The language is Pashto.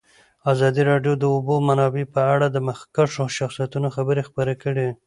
ازادي راډیو د د اوبو منابع په اړه د مخکښو شخصیتونو خبرې خپرې کړي.